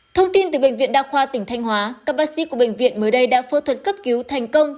thông tin từ bệnh viện đa khoa tỉnh thanh hóa các bác sĩ của bệnh viện mới đây đã phẫu thuật cấp cứu thành công